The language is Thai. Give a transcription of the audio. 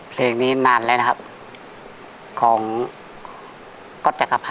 เพลงนี้นานแล้วนะคะของกอดจักรภัณฑ์